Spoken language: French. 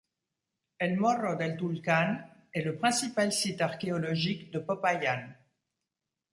El Morro del Tulcán est le principal site archéologique de Popayán.